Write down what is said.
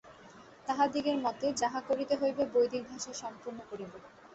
তাঁহাদিগের মত, যাহা করিতে হইবে বৈদিক ভাষায় সম্পূর্ণ করিব।